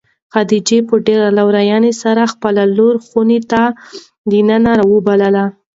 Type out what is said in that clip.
خدیجې په ډېرې لورېنې سره خپله لور خونې ته د ننه راوبلله.